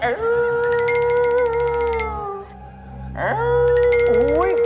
โอ้โห